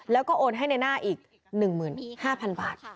แล้วก็โอนให้ในหน้าอีก๑๕๐๐๐บาท